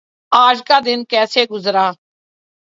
آج کا دن کیسے گزرا؟